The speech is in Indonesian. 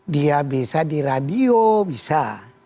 dia bisa di radio bisa